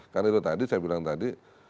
karena itu tadi saya bilang tadi